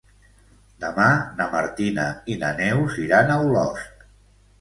Demà na Martina i na Neus iran a Olost.